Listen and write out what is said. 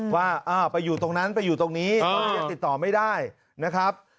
ว่าไปอยู่ตรงนั้นไปอยู่ตรงนี้ยังติดต่อไม่ได้นะครับ